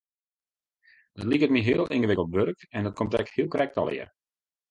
Dat liket my heel yngewikkeld wurk en dat komt ek heel krekt allegear.